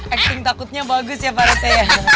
acting takutnya bagus ya pak rete